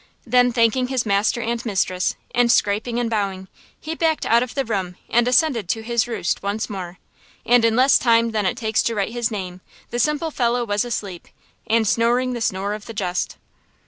Then, thanking his master and mistress, and scraping and bowing, he backed out of the room and ascended to his roost once more; and in less time than it takes to write his name, the simple fellow was asleep, and snoring the snore of the just.